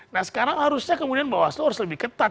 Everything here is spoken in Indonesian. nah sekarang harusnya kemudian bahwa asli harus lebih ketat